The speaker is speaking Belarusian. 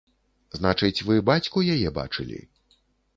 Значыць, вы бацьку яе бачылі?